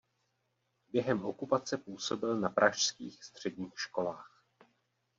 Během okupace působil na pražských středních školách.